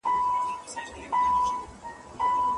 ستا پر کوڅې زيٍارت ته راشه زما واده دی گلې!